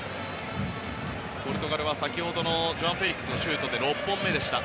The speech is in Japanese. ポルトガルは先ほどのジョアン・フェリックスのシュートで６本目でした。